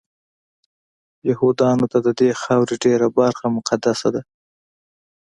یهودانو ته ددې خاورې ډېره برخه مقدسه ده.